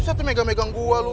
bisa tuh megang megang gue lu